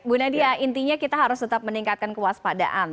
bu nadia intinya kita harus tetap meningkatkan kewaspadaan